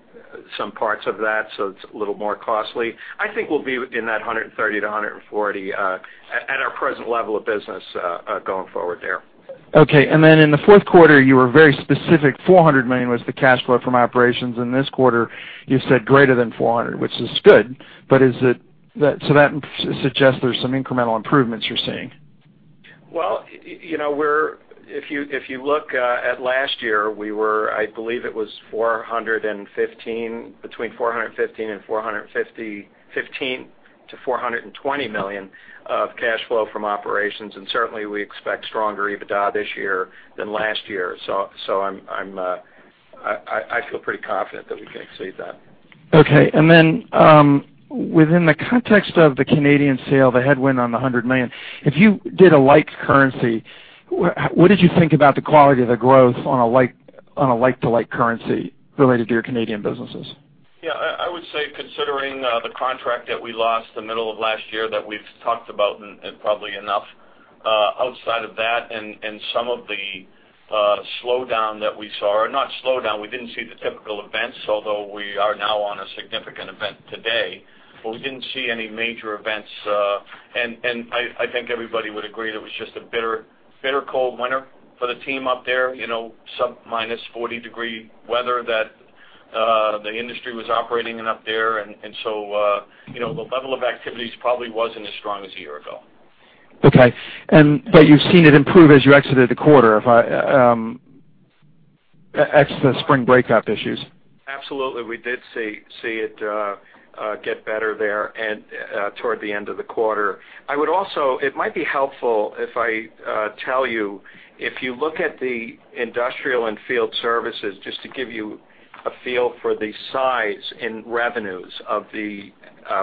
some parts of that, so it's a little more costly. I think we'll be in that $130-$140 at our present level of business going forward there. Okay. And then in the fourth quarter, you were very specific, $400 million was the cash flow from operations. In this quarter, you said greater than $400 million, which is good, but is it that, so that suggests there's some incremental improvements you're seeing? Well, you know, if you look at last year, we were, I believe it was $415 million, between $415 million and $420 million of cash flow from operations, and certainly we expect stronger EBITDA this year than last year. So, I feel pretty confident that we can exceed that. Okay. Then, within the context of the Canadian sale, the headwind on the $100 million, if you did a like currency, what did you think about the quality of the growth on a like, on a like-to-like currency related to your Canadian businesses? Yeah, I would say, considering the contract that we lost in the middle of last year, that we've talked about and probably enough, outside of that and some of the slowdown that we saw, or not slowdown, we didn't see the typical events, although we are now on a significant event today, but we didn't see any major events, and I think everybody would agree that it was just a bitter, bitter cold winter for the team up there, you know, sub-minus 40-degree weather that the industry was operating in up there. And so, you know, the level of activities probably wasn't as strong as a year ago. Okay. But you've seen it improve as you exited the quarter, if I except the spring breakup issues? Absolutely, we did see it get better there and toward the end of the quarter. I would also, it might be helpful if I tell you, if you look at the Industrial and Field Services, just to give you a feel for the size in revenues of the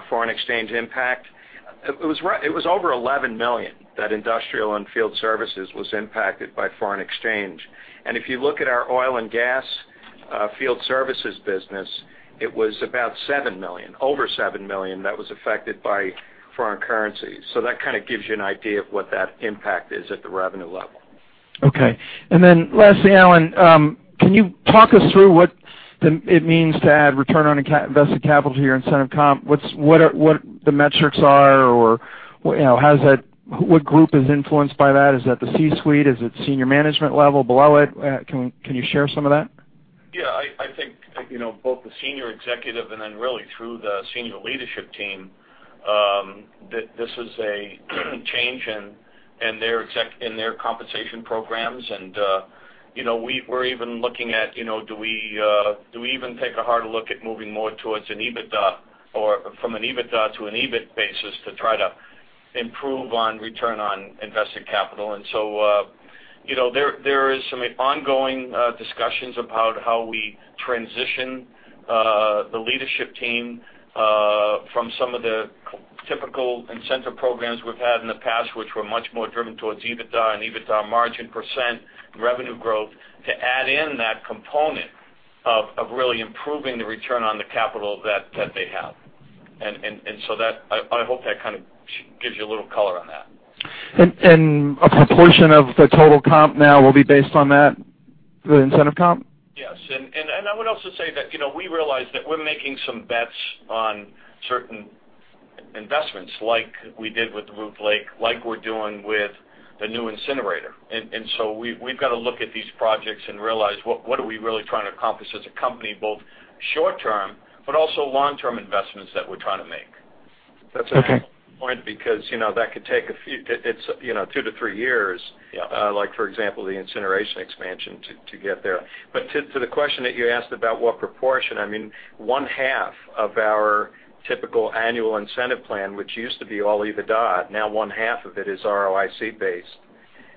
foreign exchange impact, it was over $11 million, that Industrial and Field Services was impacted by foreign exchange. And if you look at our Oil and Gas Field Services business, it was about $7 million, over $7 million that was affected by foreign currency. So that kind of gives you an idea of what that impact is at the revenue level. Okay. And then lastly, Alan, can you talk us through what it means to add return on invested capital to your incentive comp? What are the metrics, or, you know, how does that, what group is influenced by that? Is that the C-suite? Is it senior management level, below it? Can you share some of that? Yeah, I think, you know, both the senior executive and then really through the senior leadership team that this is a change in their executive compensation programs. And, you know, we're even looking at, you know, do we do we even take a harder look at moving more towards an EBITDA or from an EBITDA to an EBIT basis to try to improve on return on invested capital? And so, you know, there is some ongoing discussions about how we transition the leadership team from some of the typical incentive programs we've had in the past, which were much more driven towards EBITDA and EBITDA margin percent and revenue growth, to add in that component of really improving the return on the capital that they have. And so that... I hope that kind of shit gives you a little color on that. And a proportion of the total comp now will be based on that, the incentive comp? Yes, and I would also say that, you know, we realize that we're making some bets on certain investments like we did with Ruth Lake, like we're doing with the new incinerator. And so we've got to look at these projects and realize what are we really trying to accomplish as a company, both short term, but also long-term investments that we're trying to make. Okay. That's a good point, because, you know, that could take a few, it's, you know, two-three years- Yeah... like, for example, the incineration expansion to get there. But to the question that you asked about what proportion, I mean, one half of our typical annual incentive plan, which used to be all EBITDA, now one half of it is ROIC based.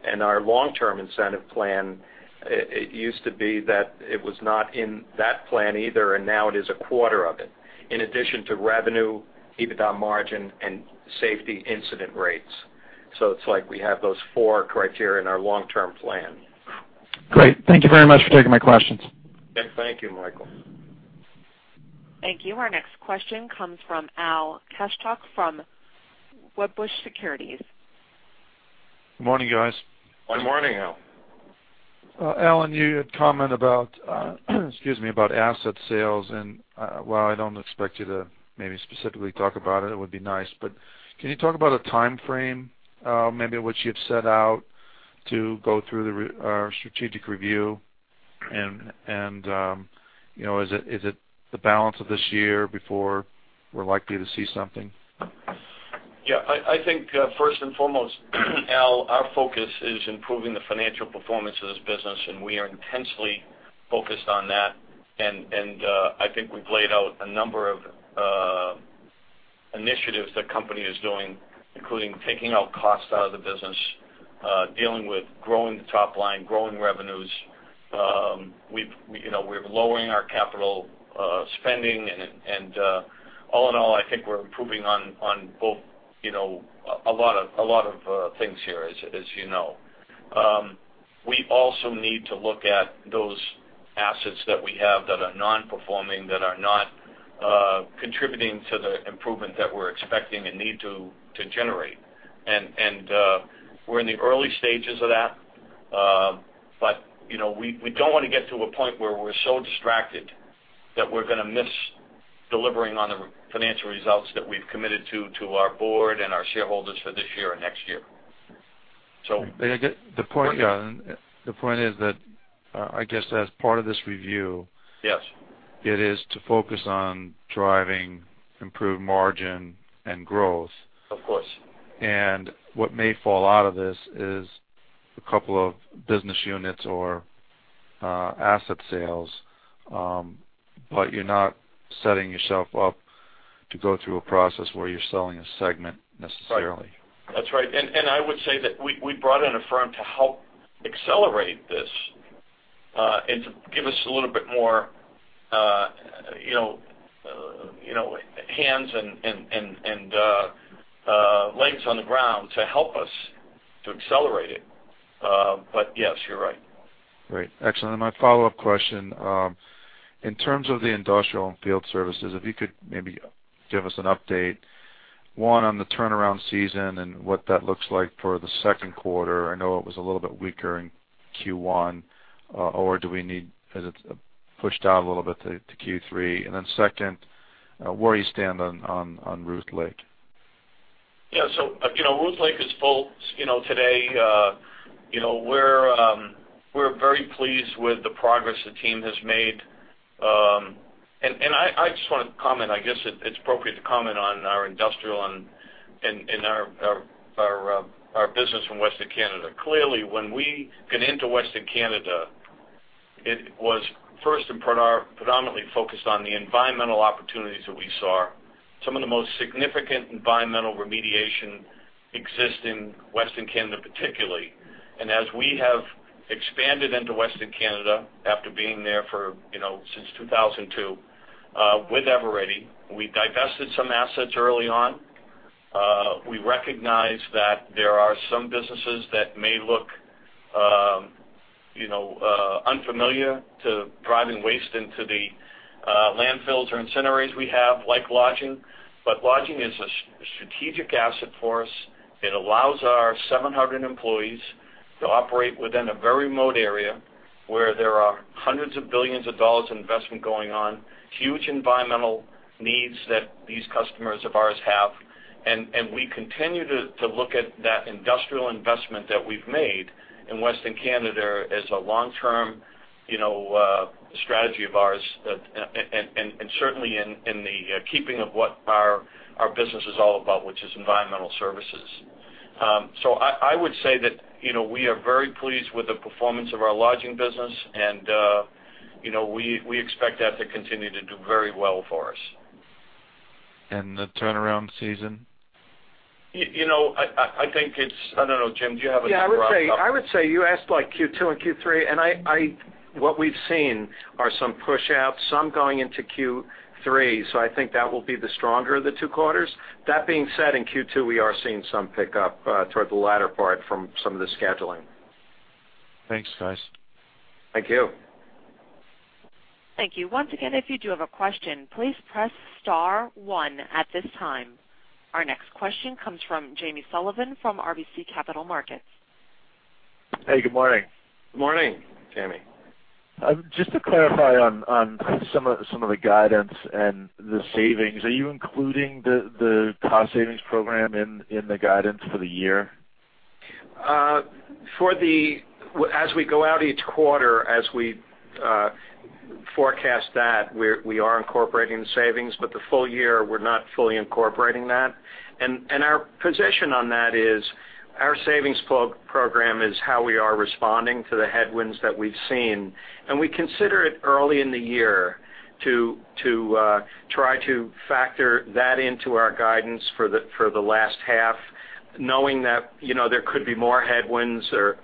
And our long-term incentive plan, it used to be that it was not in that plan either, and now it is a quarter of it, in addition to revenue, EBITDA margin, and safety incident rates. So it's like we have those four criteria in our long-term plan. Great. Thank you very much for taking my questions. Thank you, Michael. Thank you. Our next question comes from Al Kaschalk from Wedbush Securities. Good morning, guys. Good morning, Al. Alan, you had commented about, excuse me, about asset sales, and while I don't expect you to maybe specifically talk about it, it would be nice, but can you talk about a timeframe, maybe which you've set out to go through the review or strategic review? And you know, is it, is it the balance of this year before we're likely to see something?... Yeah, I think, first and foremost, Al, our focus is improving the financial performance of this business, and we are intensely focused on that. And I think we've laid out a number of initiatives the company is doing, including taking out costs out of the business, dealing with growing the top line, growing revenues. We've, you know, we're lowering our capital spending, and all in all, I think we're improving on both, you know, a lot of things here, as you know. We also need to look at those assets that we have that are nonperforming, that are not contributing to the improvement that we're expecting and need to generate. We're in the early stages of that, but you know, we don't want to get to a point where we're so distracted that we're gonna miss delivering on the financial results that we've committed to our board and our shareholders for this year and next year. So- May I get the point, yeah. The point is that, I guess as part of this review- Yes. It is to focus on driving improved margin and growth. Of course. What may fall out of this is a couple of business units or, asset sales, but you're not setting yourself up to go through a process where you're selling a segment necessarily. Right. That's right. And I would say that we brought in a firm to help accelerate this, and to give us a little bit more, you know, you know, hands and legs on the ground to help us to accelerate it. But yes, you're right. Great. Excellent. And my follow-up question: in terms of the Industrial and Field Services, if you could maybe give us an update, one, on the turnaround season and what that looks like for the second quarter. I know it was a little bit weaker in Q1, or has it pushed out a little bit to Q3? And then second, where do you stand on Ruth Lake? Yeah, so, you know, Ruth Lake is full. You know, today, you know, we're very pleased with the progress the team has made. And I just want to comment, I guess, it's appropriate to comment on our industrial and our business in Western Canada. Clearly, when we got into Western Canada, it was first and predominantly focused on the environmental opportunities that we saw. Some of the most significant environmental remediation exist in Western Canada, particularly. And as we have expanded into Western Canada, after being there for, you know, since 2002, with Eveready, we divested some assets early on. We recognized that there are some businesses that may look, you know, unfamiliar to driving waste into the landfills or incinerators we have, like lodging. But lodging is a strategic asset for us. It allows our 700 employees to operate within a very remote area where there are hundreds of billions of dollars in investment going on, huge environmental needs that these customers of ours have. We continue to look at that industrial investment that we've made in Western Canada as a long-term, you know, strategy of ours, and certainly in keeping of what our business is all about, which is environmental services. So I would say that, you know, we are very pleased with the performance of our lodging business, and you know, we expect that to continue to do very well for us. The turnaround season? You know, I think it's... I don't know, Jim, do you have anything to drop? Yeah, I would say, I would say you asked, like, Q2 and Q3, and what we've seen are some pushouts, some going into Q3, so I think that will be the stronger of the two quarters. That being said, in Q2, we are seeing some pickup toward the latter part from some of the scheduling. Thanks, guys. Thank you. Thank you. Once again, if you do have a question, please press star one at this time. Our next question comes from Jamie Sullivan from RBC Capital Markets. Hey, good morning. Good morning, Jamie. Just to clarify on some of the guidance and the savings, are you including the cost savings program in the guidance for the year? For the... as we go out each quarter, as we forecast that, we're, we are incorporating the savings, but the full year, we're not fully incorporating that. And our position on that is, our savings program is how we are responding to the headwinds that we've seen, and we consider it early in the year to, to try to factor that into our guidance for the, for the last half, knowing that, you know, there could be more headwinds or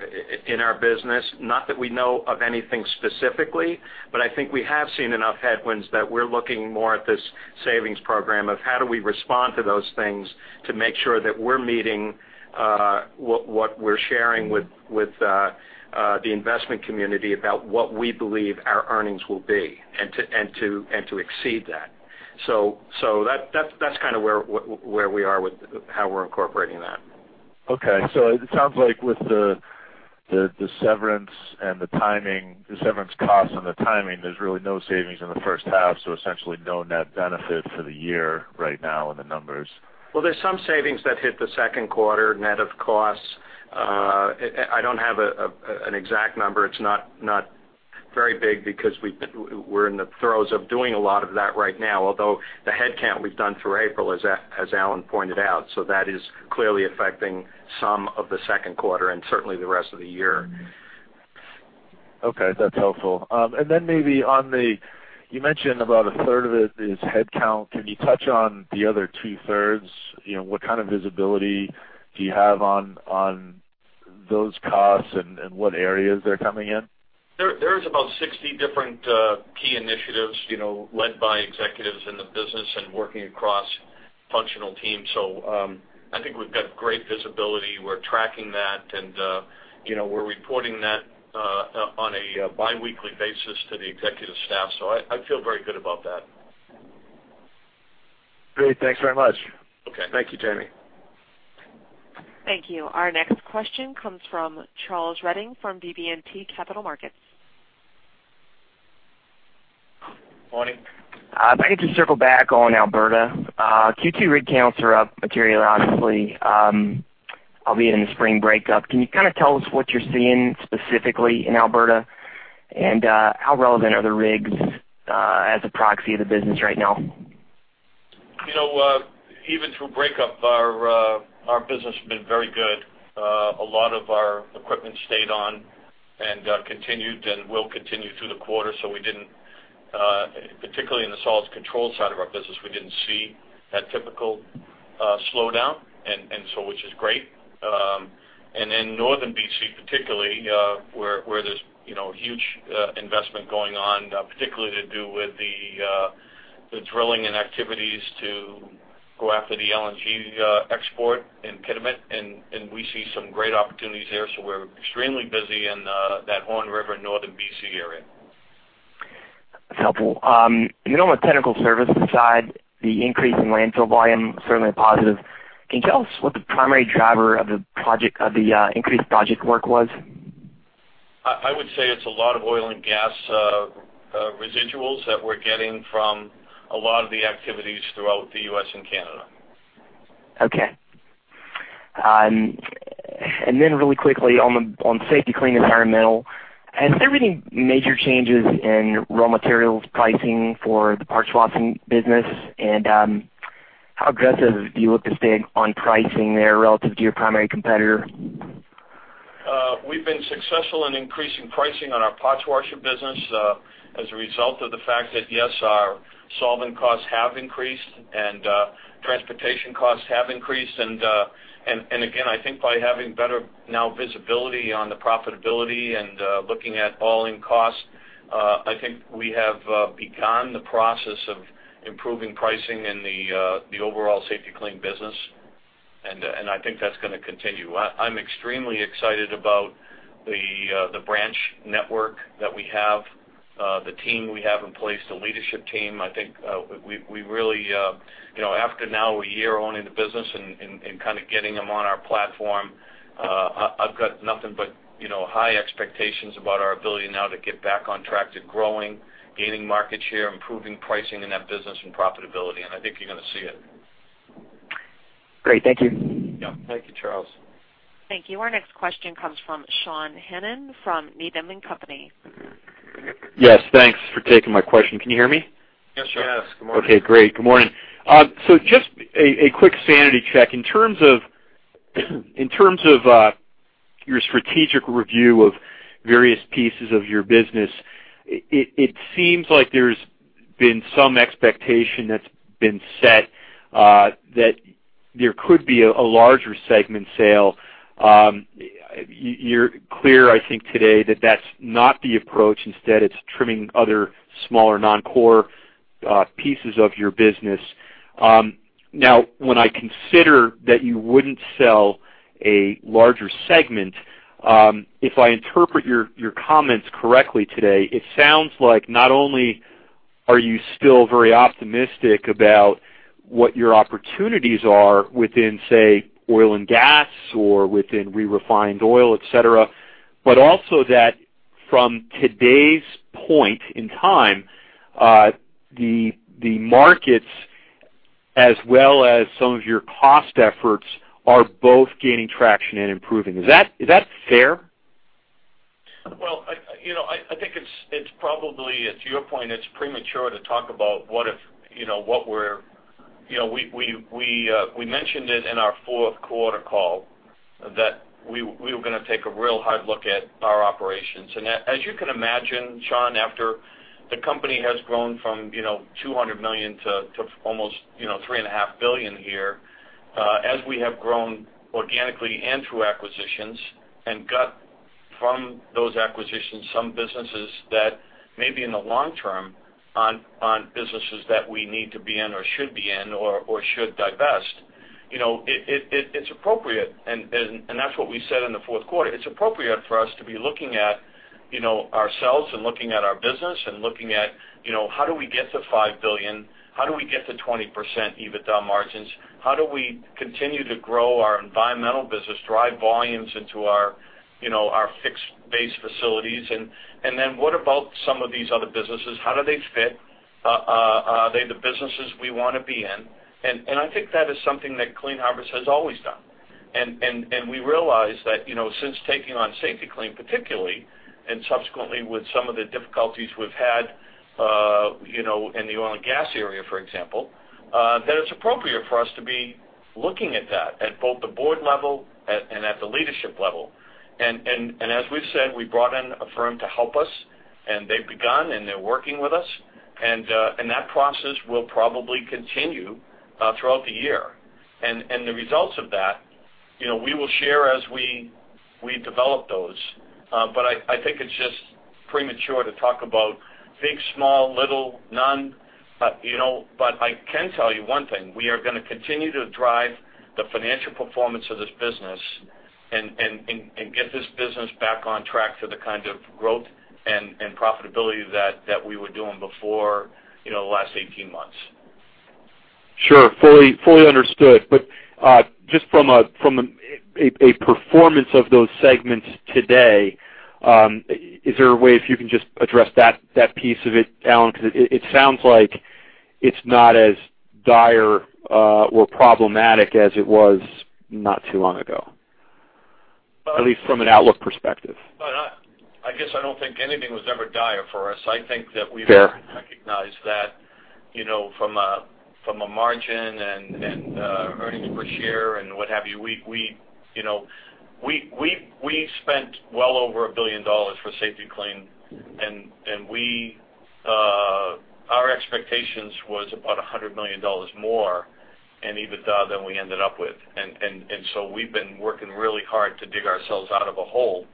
in our business. Not that we know of anything specifically, but I think we have seen enough headwinds that we're looking more at this savings program of how do we respond to those things to make sure that we're meeting what we're sharing with the investment community about what we believe our earnings will be, and to exceed that. So, that's kind of where we are with how we're incorporating that. Okay. So it sounds like with the severance costs and the timing, there's really no savings in the first half, so essentially no net benefit for the year right now in the numbers. Well, there's some savings that hit the second quarter, net of costs. I don't have an exact number. It's not-... very big because we, we're in the throes of doing a lot of that right now, although the headcount we've done through April, as Alan pointed out, so that is clearly affecting some of the second quarter and certainly the rest of the year. Okay, that's helpful. And then you mentioned about a third of it is headcount. Can you touch on the other two-thirds? You know, what kind of visibility do you have on, on those costs and, and what areas they're coming in? There is about 60 different key initiatives, you know, led by executives in the business and working across functional teams. So, I think we've got great visibility. We're tracking that and, you know, we're reporting that on a biweekly basis to the executive staff. So I, I feel very good about that. Great. Thanks very much. Okay. Thank you, Jamie. Thank you. Our next question comes from Charles Redding from BB&T Capital Markets. Morning. If I could just circle back on Alberta. Q2 rig counts are up materially, albeit in the spring breakup. Can you kind of tell us what you're seeing specifically in Alberta? And, how relevant are the rigs, as a proxy of the business right now? You know, even through break up, our, our business has been very good. A lot of our equipment stayed on and, continued and will continue through the quarter. So we didn't, particularly in the solids control side of our business, we didn't see that typical, slowdown, and, and so which is great. And in Northern BC, particularly, where, where there's, you know, huge, investment going on, particularly to do with the, the drilling and activities to go after the LNG, export in Kitimat, and, and we see some great opportunities there. So we're extremely busy in, that Horn River, Northern BC area. That's helpful. You know, on the technical service side, the increase in landfill volume, certainly a positive. Can you tell us what the primary driver of the increased project work was? I would say it's a lot of Oil and Gas residuals that we're getting from a lot of the activities throughout the U.S. and Canada. Okay. And then really quickly on the Safety-Kleen Environmental, has there been any major changes in raw materials pricing for the parts washing business? And how aggressive do you look to stay on pricing there relative to your primary competitor? We've been successful in increasing pricing on our parts washer business, as a result of the fact that, yes, our solvent costs have increased and, and again, I think by having better now visibility on the profitability and, looking at all-in costs, I think we have begun the process of improving pricing in the, the overall Safety-Kleen business, and, and I think that's gonna continue. I'm extremely excited about the, the branch network that we have, the team we have in place, the leadership team. I think, we really, you know, after now a year owning the business and kind of getting them on our platform, I've got nothing but, you know, high expectations about our ability now to get back on track to growing, gaining market share, improving pricing in that business and profitability, and I think you're gonna see it. Great. Thank you. Yeah. Thank you, Charles. Thank you. Our next question comes from Sean Hannan, from Needham & Company. Yes, thanks for taking my question. Can you hear me? Yes, sure. Yes. Good morning. Okay, great. Good morning. So just a quick sanity check. In terms of your strategic review of various pieces of your business, it seems like there's been some expectation that's been set that there could be a larger segment sale. You're clear, I think, today that that's not the approach. Instead, it's trimming other smaller non-core pieces of your business. Now, when I consider that you wouldn't sell a larger segment, if I interpret your comments correctly today, it sounds like not only are you still very optimistic about what your opportunities are within, say, Oil and Gas or within re-refined oil, et cetera, but also that from today's point in time, the markets, as well as some of your cost efforts, are both gaining traction and improving. Is that, is that fair? Well, you know, I think it's probably, to your point, it's premature to talk about what if, you know, what we're... You know, we mentioned it in our fourth quarter call that we were gonna take a real hard look at our operations. And as you can imagine, Sean, after the company has grown from, you know, $200 million to almost $3.5 billion here, as we have grown organically and through acquisitions, and got from those acquisitions some businesses that maybe in the long term aren't businesses that we need to be in or should be in or should divest, you know, it's appropriate. And that's what we said in the fourth quarter. It's appropriate for us to be looking at, you know, ourselves and looking at our business and looking at, you know, how do we get to $5 billion? How do we get to 20% EBITDA margins? How do we continue to grow our environmental business, drive volumes into our, you know, our fixed base facilities? And, and then what about some of these other businesses? How do they fit? Are they the businesses we wanna be in? And, and I think that is something that Clean Harbors has always done.... And, and, and we realize that, you know, since taking on Safety-Kleen, particularly, and subsequently, with some of the difficulties we've had, you know, in the Oil and Gas area, for example, that it's appropriate for us to be looking at that at both the board level at, and at the leadership level. And as we've said, we brought in a firm to help us, and they've begun, and they're working with us. And that process will probably continue throughout the year. And the results of that, you know, we will share as we develop those. But I think it's just premature to talk about big, small, little, none. You know, but I can tell you one thing, we are gonna continue to drive the financial performance of this business and get this business back on track to the kind of growth and profitability that we were doing before, you know, the last 18 months. Sure. Fully, fully understood. But, just from a performance of those segments today, is there a way if you can just address that piece of it, Alan? Because it sounds like it's not as dire or problematic as it was not too long ago, at least from an outlook perspective. But I guess I don't think anything was ever dire for us. Fair. I think that we've recognized that, you know, from a margin and earnings per share and what have you, we, you know, we spent well over $1 billion for Safety-Kleen. Our expectations was about $100 million more in EBITDA than we ended up with. And so we've been working really hard to dig ourselves out of a hole,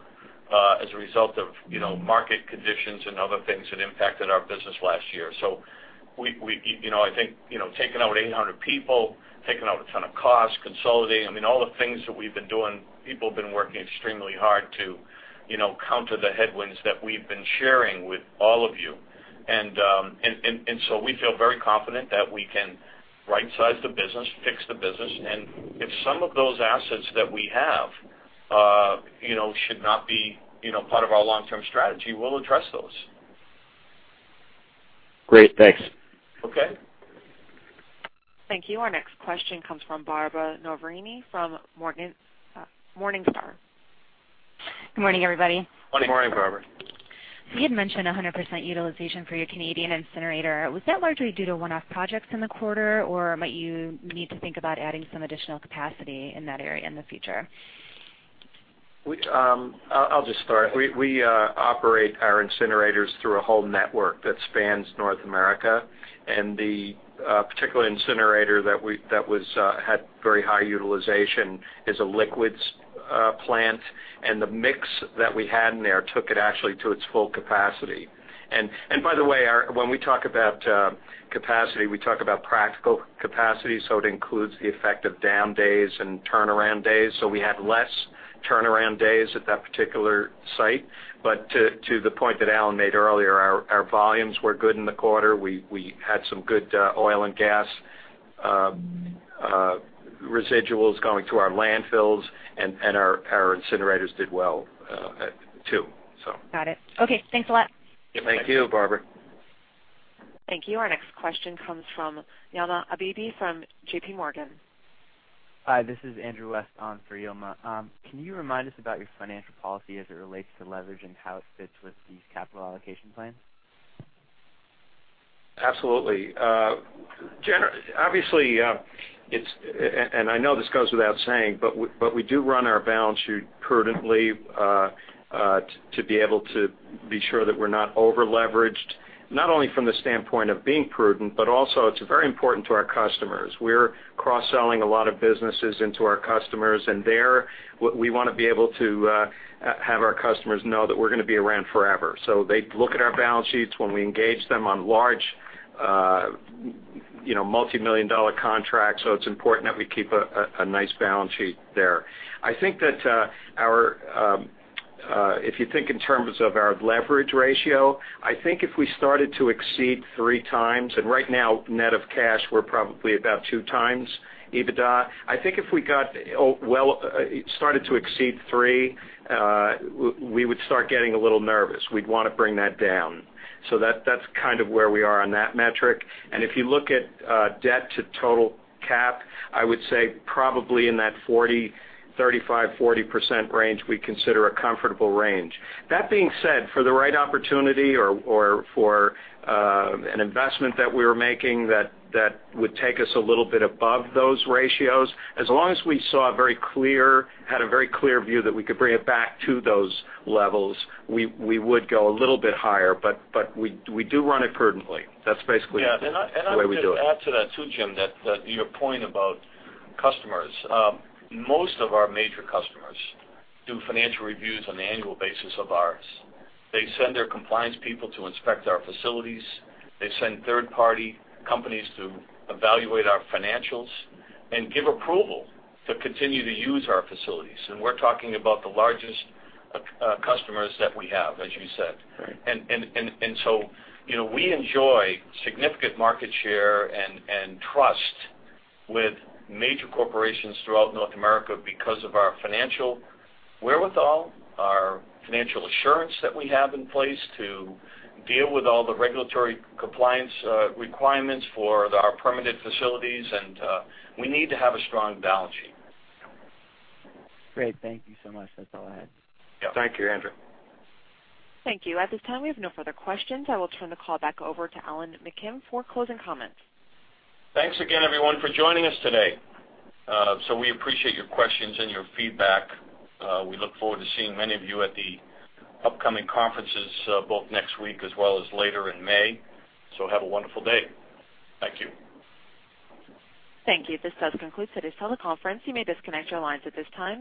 as a result of, you know, market conditions and other things that impacted our business last year. So, you know, I think, you know, taking out 800 people, taking out a ton of costs, consolidating, I mean, all the things that we've been doing, people have been working extremely hard to, you know, counter the headwinds that we've been sharing with all of you. And so we feel very confident that we can rightsize the business, fix the business. And if some of those assets that we have, you know, should not be, you know, part of our long-term strategy, we'll address those. Great. Thanks. Okay. Thank you. Our next question comes from Barbara Noverini from Morningstar. Good morning, everybody. Good morning, Barbara. So you had mentioned 100% utilization for your Canadian incinerator. Was that largely due to one-off projects in the quarter, or might you need to think about adding some additional capacity in that area in the future? We, um... I'll just start. We operate our incinerators through a whole network that spans North America, and the particular incinerator that had very high utilization is a liquids plant, and the mix that we had in there took it actually to its full capacity. And by the way, when we talk about capacity, we talk about practical capacity, so it includes the effect of down days and turnaround days. So we had less turnaround days at that particular site. But to the point that Alan made earlier, our volumes were good in the quarter. We had some good Oil and Gas residuals going to our landfills, and our incinerators did well, too, so. Got it. Okay, thanks a lot. Thank you, Barbara. Thank you. Our next question comes from Yilma Abebe from JPMorgan. Hi, this is Andrew West on for Yilma. Can you remind us about your financial policy as it relates to leverage and how it fits with the capital allocation plan? Absolutely. Obviously, it's... I know this goes without saying, but we do run our balance sheet prudently to be able to be sure that we're not overleveraged, not only from the standpoint of being prudent, but also it's very important to our customers. We're cross-selling a lot of businesses into our customers, and they're, we wanna be able to have our customers know that we're gonna be around forever. So they look at our balance sheets when we engage them on large, you know, multimillion-dollar contracts, so it's important that we keep a nice balance sheet there. I think that, our, if you think in terms of our leverage ratio, I think if we started to exceed 3x, and right now, net of cash, we're probably about 2x EBITDA. I think if we got, oh, well, started to exceed three, we would start getting a little nervous. We'd wanna bring that down. So that's kind of where we are on that metric. And if you look at debt to total cap, I would say probably in that 35%-40% range, we consider a comfortable range. That being said, for the right opportunity or for an investment that we were making, that would take us a little bit above those ratios, as long as we saw a very clear, had a very clear view that we could bring it back to those levels, we would go a little bit higher, but we do run it prudently. That's basically- Yeah. the way we do it. I'd just add to that, too, Jim, that your point about customers. Most of our major customers do financial reviews on an annual basis of ours. They send their compliance people to inspect our facilities. They send third-party companies to evaluate our financials and give approval to continue to use our facilities, and we're talking about the largest customers that we have, as you said. Right. So, you know, we enjoy significant market share and trust with major corporations throughout North America because of our financial wherewithal, our financial assurance that we have in place to deal with all the regulatory compliance requirements for our permitted facilities, and we need to have a strong balance sheet. Great. Thank you so much. That's all I had. Yeah. Thank you, Andrew. Thank you. At this time, we have no further questions. I will turn the call back over to Alan McKim for closing comments. Thanks again, everyone, for joining us today. We appreciate your questions and your feedback. We look forward to seeing many of you at the upcoming conferences, both next week as well as later in May. Have a wonderful day. Thank you. Thank you. This does conclude today's teleconference. You may disconnect your lines at this time.